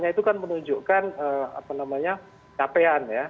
itu menunjukkan capean